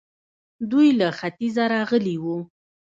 دوی له ختيځه راغلي وو